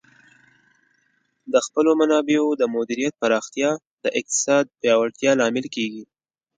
د خپلو منابعو د مدیریت پراختیا د اقتصاد پیاوړتیا لامل کیږي.